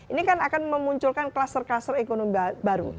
ini kan akan memunculkan cluster cluster ekonomi baru